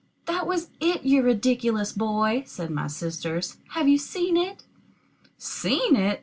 "That was it, you ridiculous boy," said my sisters. "Have you seen it?" "Seen it!"